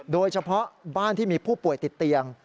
โดยเฉพาะบ้านที่มีผู้ป่วยติดเตียง